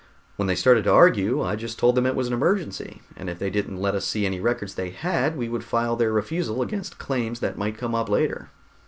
"When they started to argue, I just told them it was an emergency, and if they didn't let us see any records they had, we would file their refusal against claims that might come up later.